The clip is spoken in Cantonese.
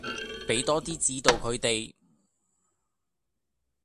畀多啲指導佢哋